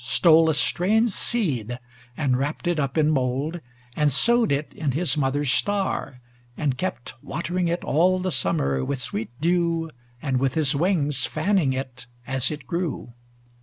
Stole a strange seed, and wrapped it up in mould, And sowed it in his mother's star, and kept Watering it all the summer with sweet dew, And with his wings fanning it as it grew.